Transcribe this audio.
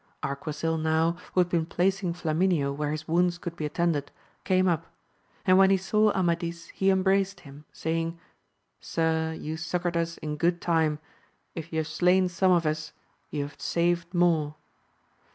Arquisil now, who had been placing Flamineo where his wounds could be attended, came up ; and when he saw Amadis he embraced him, say ing, Sir, you succoured us in good time ; if you have slain some of us, you have saved more.